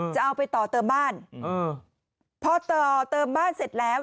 จะเอาไปต่อเติมบ้านพอต่อเติมบ้านเสร็จแล้ว